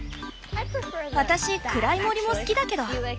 私暗い森も好きだけど。